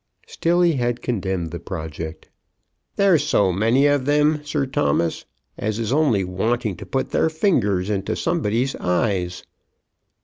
Still he had condemned the project. "There's so many of them, Sir Thomas, as is only wanting to put their fingers into somebody's eyes."